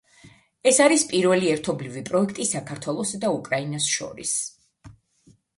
ეს არის პირველი ერთობლივი პროექტი საქართველოსა და უკრაინას შორის.